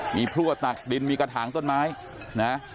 มีพลั่วตักดินมีกระถางต้นไม้นะ